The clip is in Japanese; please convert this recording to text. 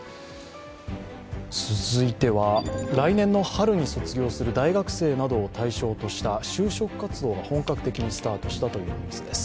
続いては、来年の春に卒業する大学生などを対象にした就職活動が本格的にスタートしたというニュースです。